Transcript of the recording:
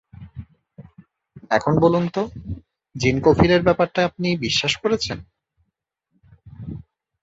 এখন বলুন তো জিন কফিলের ব্যাপারটা আপনি বিশ্বাস করছেন?